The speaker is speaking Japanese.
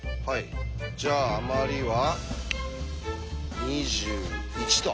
じゃああまりは２１と。